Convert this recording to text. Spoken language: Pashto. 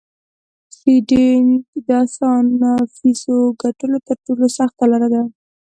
ټریډینګ د اسانه فیسو ګټلو تر ټولو سخته لار ده